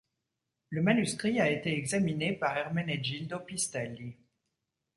Le manuscrit a été examiné par Ermenegildo Pistelli.